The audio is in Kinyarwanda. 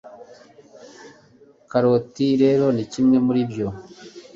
karoti rero ni kimwe muri byo.